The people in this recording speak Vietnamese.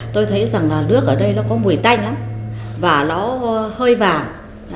tôi thấy rằng là nước ở đây nó có mùi tanh lắm và nó hơi vàng